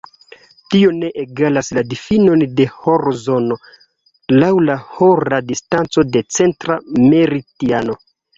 Tio ne egalas la difinon de horzono laŭ la hora distanco de centra meridiano.